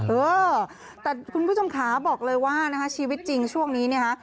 เออแต่คุณผู้ชมขาบอกเลยว่านะคะชีวิตจริงช่วงนี้เนี่ยฮะ